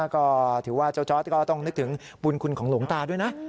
ก็ถือว่าเจ้าจอร์ดก็ต้องนึกถึงบุญคุณของหลวงตาด้วยนะ